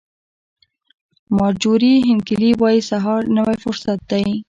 مارجوري هینکلي وایي سهار نوی فرصت دی.